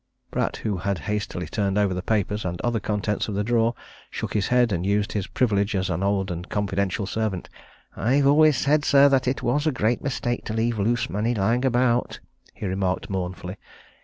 Pratt, who had hastily turned over the papers and other contents of the drawer, shook his head and used his privilege as an old and confidential servant. "I've always said, sir, that it was a great mistake to leave loose money lying about," he remarked mournfully.